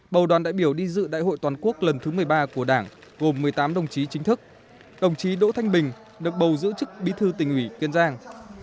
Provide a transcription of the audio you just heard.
bầu đoàn đại biểu đi dự đại hội toàn quốc lần thứ một mươi ba của đảng gồm một mươi tám đồng chí chính thức đồng chí đỗ thanh bình được bầu giữ chức bí thư tỉnh ủy kiên giang